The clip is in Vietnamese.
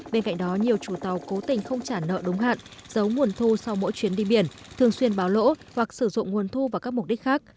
bên cạnh đó nhiều chủ tàu cố tình không trả nợ đúng hạn giấu nguồn thu sau mỗi chuyến đi biển thường xuyên báo lỗ hoặc sử dụng nguồn thu vào các mục đích khác